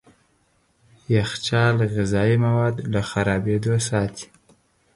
يخچال غذايي مواد له خرابېدو ساتي.